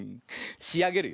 しあげるよ。